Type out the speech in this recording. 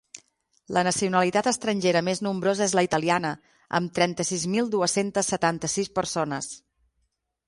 La nacionalitat estrangera més nombrosa és la italiana, amb trenta-sis mil dues-centes setanta-sis persones.